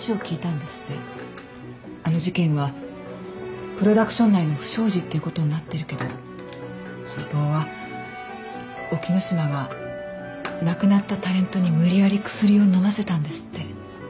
あの事件はプロダクション内の不祥事っていうことになってるけど本当は沖野島が亡くなったタレントに無理やりクスリを飲ませたんですって。